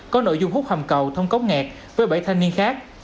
có nội dung hút hầm cầu thông cống ngạt với bảy thanh niên khác